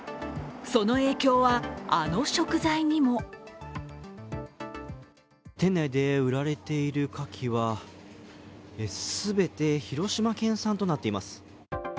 その影響は、あの食材にも店内で売られているかきは全て広島県産となっています。